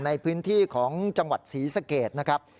ในพื้นที่ของจังหวัดศรีสะเกดนะครับ